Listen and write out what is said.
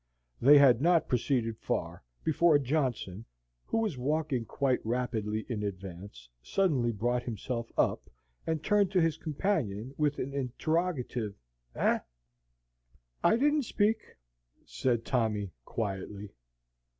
They had not proceeded far, before Johnson, who was walking quite rapidly in advance, suddenly brought himself up, and turned to his companion with an interrogative "Eh?" "I didn't speak," said Tommy, quietly.